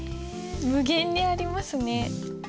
無限にありますね。